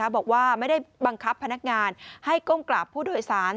บอกว่าไม่ได้บังคับพนักงานให้ก้มกราบผู้โดยสาร